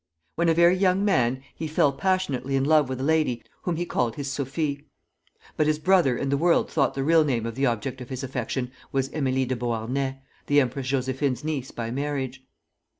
When a very young man he fell passionately in love with a lady, whom he called his Sophie. But his brother and the world thought the real name of the object of his affection was Emilie de Beauharnais, the Empress Josephine's niece by marriage.